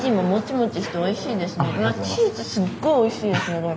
チーズすっごいおいしいですね。